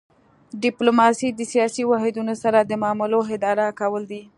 ډیپلوماسي د سیاسي واحدونو سره د معاملو اداره کول دي